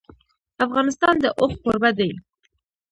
افغانستان د اوښ کوربه دی.